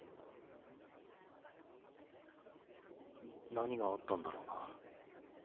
何があったんだろうな。